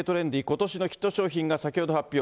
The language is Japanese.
ことしのヒット商品が先ほど発表。